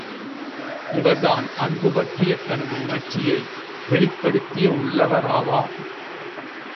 இவர்தான் அன்பு பற்றிய தனது உணர்ச்சியை வெளிப்படுத்தியுள்ளவராவார்!